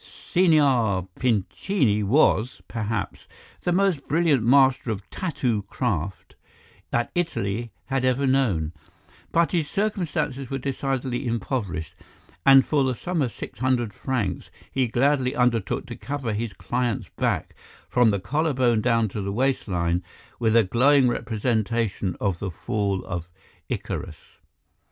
Signor Pincini was, perhaps, the most brilliant master of tattoo craft that Italy had ever known, but his circumstances were decidedly impoverished, and for the sum of six hundred francs he gladly undertook to cover his client's back, from the collar bone down to the waistline, with a glowing representation of the Fall of Icarus.